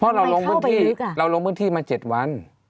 เพราะเราลงพื้นที่มา๗วัน